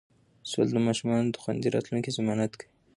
سوله د ماشومانو د خوندي راتلونکي ضمانت کوي.